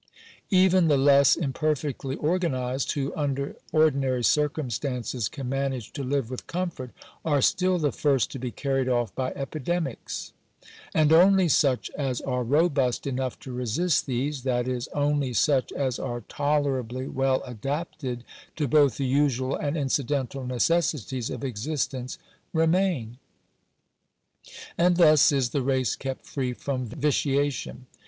Even the less imperfectly or ganized, who, under ordinary circumstances, can manage to live with comfort, are still the first to be carried off by epidemics; Digitized by VjOOQIC 380 SANITARY SUPERVISION. and only such as are robust enough to resist these — that is, only such as are tolerably well adapted to both the usual and incidental necessities of existence, remain. And thus is the race kept free from vitiation.